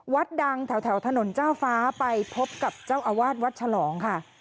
วัดดังแถวถนนเจ้าฟ้าไปพบกับเจ้าอาวาสวัดฉลองค่ะ